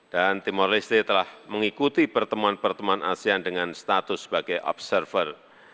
dan timor leste telah mengikuti pertemuan pertemuan asean dengan status sebagai observer